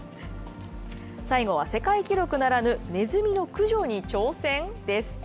最後は世界記録ならぬ、ネズミの駆除に挑戦？です。